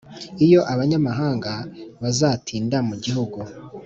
Iyo abo banyamahanga bazatinda mu gihugu